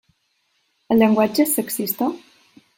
El llenguatge és sexista?